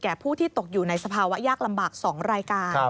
ผู้ที่ตกอยู่ในสภาวะยากลำบาก๒รายการ